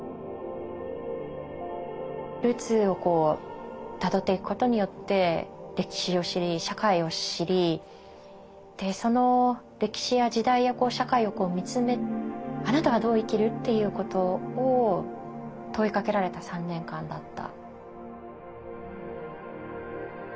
ルーツをたどっていくことによって歴史を知り社会を知りその歴史や時代や社会を見つめ「あなたはどう生きる？」っていうことを問いかけられた３年間だった。